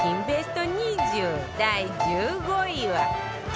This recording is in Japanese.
ベスト２０第１５位は